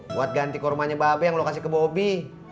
buat ganti kurmanya babe yang lo kasih ke bobi